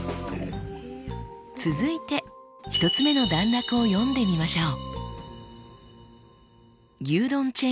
続いて１つ目の段落を読んでみましょう。